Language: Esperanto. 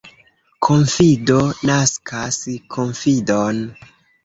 Konfido naskas konfidon.